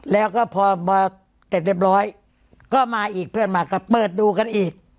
แล้วก็พอเสร็จเรียบร้อยก็มาอีกเพื่อนมาก็เปิดดูกันอีก